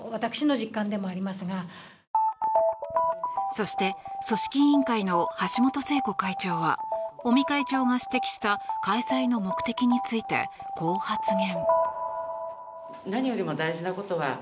そして、組織委員会の橋本聖子会長は尾身会長が指摘した開催の目的について、こう発言。